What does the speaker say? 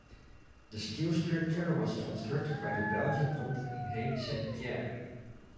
The steel structure was constructed by the Belgian company Haine Saint Pierre.